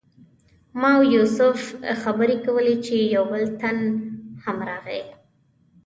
ما او یوسف خبرې کولې چې یو بل تن هم راغی.